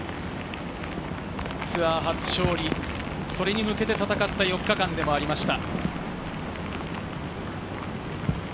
ツアー初勝利、それに向けて戦った４日間でもありました。